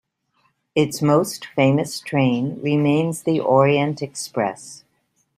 Its most famous train remains the Orient-Express.